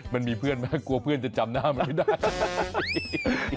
มันมีเพื่อนไหมกลัวเพื่อนจะจำหน้ามันไม่ได้